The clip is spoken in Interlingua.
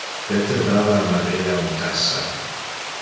Peter dava a Maria un tassa.